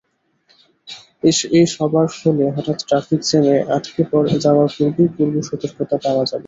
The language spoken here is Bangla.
এ সেবার ফলে হঠাৎ ট্রাফিক জ্যামে আটকে যাওয়ার আগেই পূর্বসতর্কতা পাওয়া যাবে।